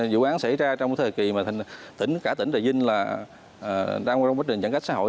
vụ án xảy ra trong thời kỳ mà cả tỉnh trà vinh là đang trong quá trình giãn cách xã hội